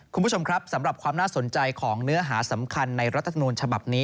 คุณผู้ชมครับสำหรับความน่าสนใจของเนื้อหาสำคัญในรัฐธรรมนูญฉบับนี้